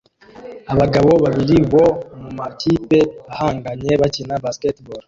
Abagabo babiri bo mumakipe ahanganye bakina basketball